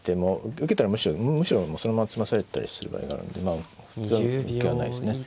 受けたらむしろそのまま詰まされたりする場合があるんで普通は受けはないですね。